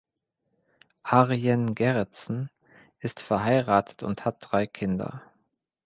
Arjen Gerritsen ist verheiratet und hat drei Kinder.